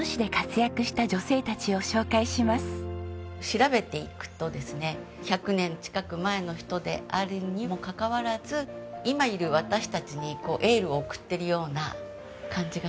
調べていくとですね１００年近く前の人であるにもかかわらず今いる私たちにこうエールを送ってるような感じがするんですね。